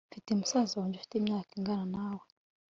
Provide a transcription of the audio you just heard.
mfite musaza wanjye ufite imyaka ingana nawe